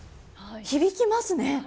響きますね。